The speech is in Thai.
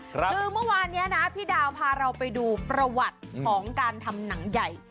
คือเมื่อวานนี้นะพี่ดาวพาเราไปดูประวัติของการทำหนังใหญ่